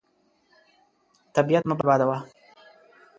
طبیعت مه بربادوه.